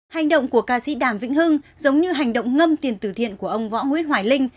hành động của ca sĩ đàm vĩnh hưng giống như hành động ngâm tiền tử thiện của ông võ nguyễn hoài linh